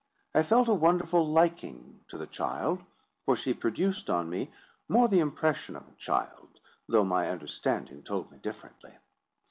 I felt a wonderful liking to the child—for she produced on me more the impression of a child, though my understanding told me differently.